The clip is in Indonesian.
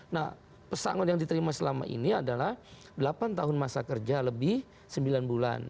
nah pesangon yang diterima selama ini adalah delapan tahun masa kerja lebih sembilan bulan